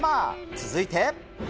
続いて。